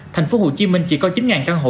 tp hcm chỉ có chín căn hộ